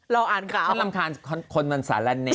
เราอ่านข่าวฉันลำคาญคนมันสาหร่าแหน